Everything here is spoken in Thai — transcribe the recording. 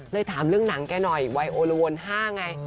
ถามเรื่องหนังแกหน่อยวัยโอละวน๕ไง